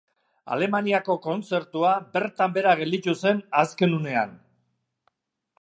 Alemaniako kontzertua bertan behera gelditu zen azken unean.